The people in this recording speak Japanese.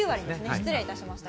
失礼いたしました。